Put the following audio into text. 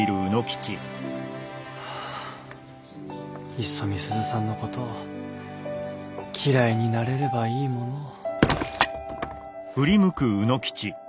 いっそ美鈴さんのことを嫌いになれればいいものを。